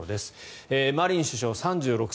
マリン首相は３６歳。